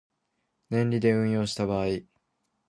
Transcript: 年利で運用した場合